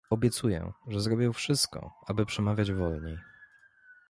Obiecuję, że zrobię wszystko, aby przemawiać wolniej